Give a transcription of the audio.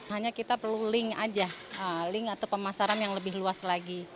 hanya kita perlu link aja link atau pemasaran yang lebih luas lagi